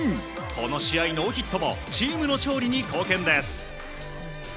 この試合ノーヒットもチームの勝利に貢献です。